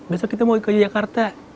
besok kita mau ikut ke jakarta